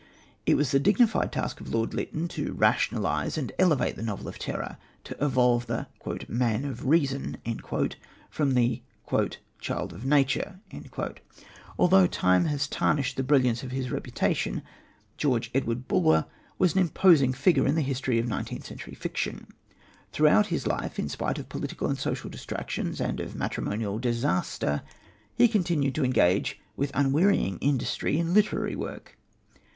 It was the dignified task of Lord Lytton to rationalise and elevate the novel of terror, to evolve the "man of reason" from the "child of nature." Although time has tarnished the brilliance of his reputation, George Edward Bulwer was an imposing figure in the history of nineteenth century fiction. Throughout his life, in spite of political and social distractions and of matrimonial disaster, he continued to engage with unwearying industry in literary work.